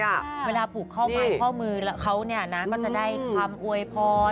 เวลาปลูกเผ้าไร้ผ้ามือเขานั้นก็จะได้คำอวยพอดี